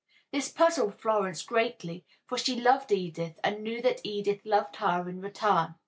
This puzzled Florence greatly, for she loved Edith and knew that Edith loved her in return.